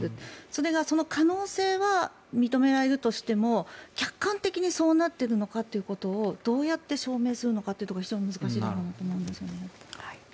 それが可能性は認められるとしても客観的にそうなっているのかということをどうやって証明するのかというところが非常に難しいところだなと思うんですね。